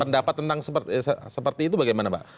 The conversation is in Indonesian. pendapat tentang seperti itu bagaimana mbak